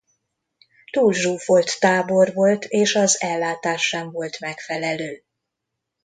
Túlzsúfolt tábor volt és az ellátás sem volt megfelelő.